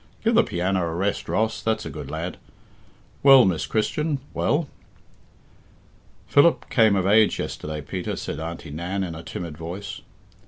Give the piano a rest, Ross that's a good lad. Well, Miss Christian, well!" "Philip came of age yesterday, Peter," said Auntie Nan in a timid voice.